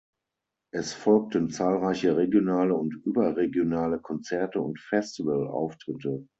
Es folgten zahlreiche regionale und überregionale Konzerte und Festivalauftritte.